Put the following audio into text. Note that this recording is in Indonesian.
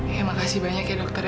ya makasih banyak ya dokter ya